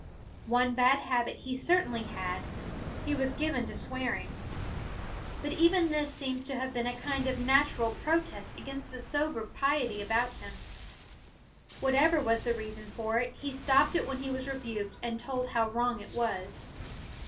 One bad habit he cer tainly had : he was given to swearing. But even this seems to have been a kind of natural protest against the sober piety about him. Whatever was the reason for it, he stopped it when he was rebuked and told how wrong it was.